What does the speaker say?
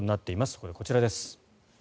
そこでこちらです。